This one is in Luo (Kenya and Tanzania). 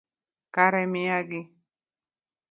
Kare miyagi